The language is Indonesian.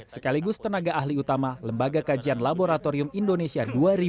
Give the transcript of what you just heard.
sekaligus tenaga ahli utama lembaga kajian laboratorium indonesia dua ribu dua puluh